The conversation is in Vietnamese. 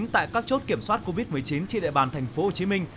tại các chốt kiểm soát covid một mươi chín trên địa bàn thành phố hồ chí minh